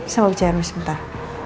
saya mau bicara dulu sebentar